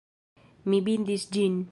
Mi bindis ĝin!